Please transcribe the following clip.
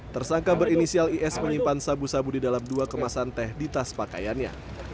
tersangka berinisial is menyimpan sabu sabu di dalam dua kemasan teh di tas pakaiannya